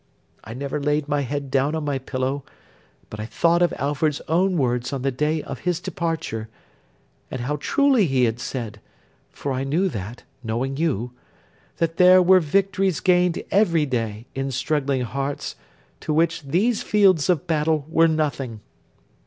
I never laid my head down on my pillow, but I thought of Alfred's own words on the day of his departure, and how truly he had said (for I knew that, knowing you) that there were victories gained every day, in struggling hearts, to which these fields of battle were nothing.